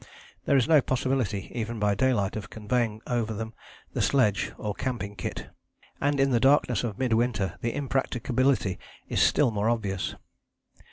There is no possibility even by daylight of conveying over them the sledge or camping kit, and in the darkness of mid winter the impracticability is still more obvious.